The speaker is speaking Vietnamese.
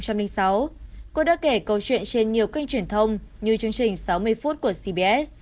cô đã kể câu chuyện trên nhiều kênh truyền thông như chương trình sáu mươi phút của cbs